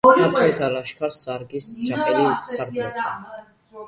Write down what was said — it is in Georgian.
ქართველთა ლაშქარს სარგის ჯაყელი სარდლობდა.